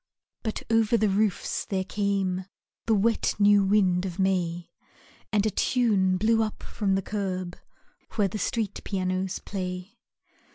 But over the roofs there came The wet new wind of May, And a tune blew up from the curb Where the street pianos play.